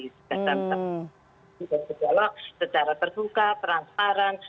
berdialog secara terbuka perantaran